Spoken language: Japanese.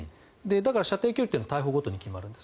だから射程距離は大砲ごとに決まるんです。